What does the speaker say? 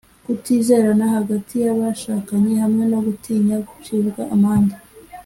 kutizerana hagati y’abashakanye hamwe no gutinya gucibwa amande